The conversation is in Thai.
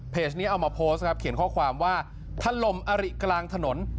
นี้เอามาโพสต์ครับเขียนข้อความว่าถล่มอาริกลางถนน